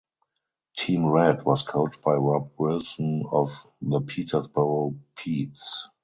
Team Red was coached by Rob Wilson of the Peterborough Petes.